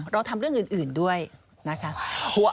เราทำเรื่องอื่นด้วยนะคะ